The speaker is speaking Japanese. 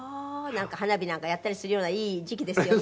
花火なんかやったりするようないい時季ですよね。